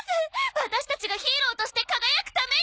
ワタシたちがヒーローとして輝くために！